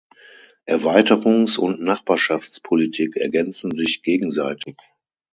Erweiterungs- und Nachbarschaftspolitik ergänzen sich gegenseitig.